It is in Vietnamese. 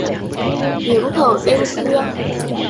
Tiếng thở đêm khuya